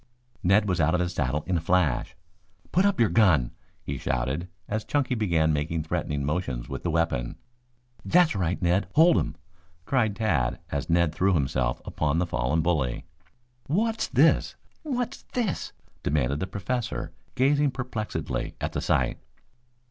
Ned was out of his saddle in a flash. "Put up your gun!" he shouted, as Chunky began making threatening motions with the weapon. "That's right, Ned. Hold him!" cried Tad, as Ned threw himself upon the fallen bully. "What's this? What's this?" demanded the Professor, gazing perplexedly at the sight.